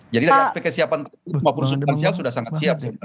jadi dari aspek kesiapan semua proses finansial sudah sangat siap